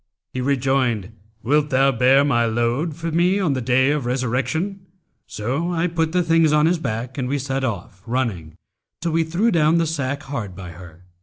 He rejoined, 'Wilt thou bear my load for me on the Day of Resurrection?' So I put the things on his back, and we set off, running, till we threw down the sack hard by her.